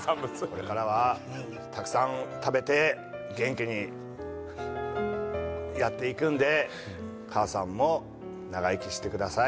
これからはたくさん食べて元気にやっていくんで母さんも長生きしてください。